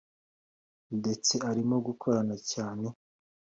ndetse arimo gukorora cyane